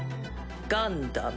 ガンダム。